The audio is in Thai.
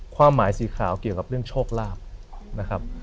ความหมายสีขาวเกี่ยวกับเรื่องโชคลาภนะครับ